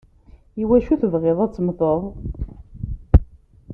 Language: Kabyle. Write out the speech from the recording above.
Iwacu tebɣiḍ ad temmteḍ?